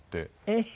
えっ？